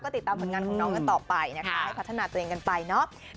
ติดตามผลงานของน้องกันต่อไปนะคะให้พัฒนาตัวเองกันไปเนาะ